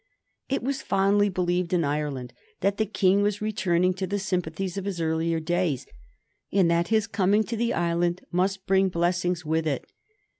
It was fondly believed in Ireland that the King was returning to the sympathies of his earlier days, and that his coming to the island must bring blessings with it.